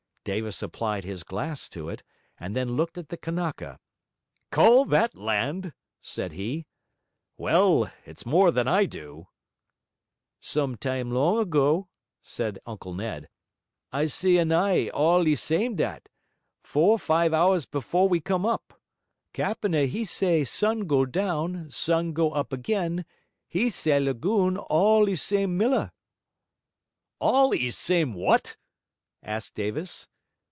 Davis applied his glass to it, and then looked at the Kanaka. 'Call that land?' said he. 'Well, it's more than I do.' 'One time long ago,' said Uncle Ned, 'I see Anaa all e same that, four five hours befo' we come up. Capena he say sun go down, sun go up again; he say lagoon all e same milla.' 'All e same WHAT?' asked Davis.